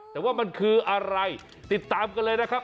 แต่ว่ามันคืออะไรติดตามกันเลยนะครับ